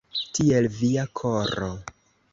Tiel via koro!